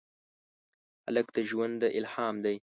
هلک د ژونده الهام دی.